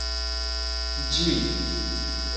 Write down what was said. ĝi